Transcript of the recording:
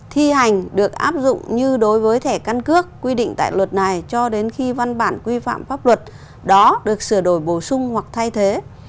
thi hành được áp dụng như đối với thẻ căn cước quy định tại luật này cho đến khi văn bản quy phạm pháp luật đó được sửa đổi bổ sung hoặc thay thế